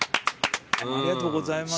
ありがとうございます。